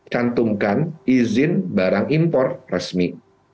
cantumkan izin barang impor resmi